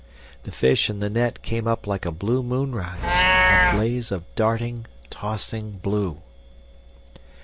The fish in the net came up like a blue moonrise—a blaze of darting, tossing blue.